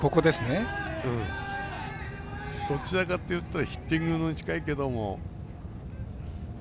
どちらかというとヒッティングに近いけど。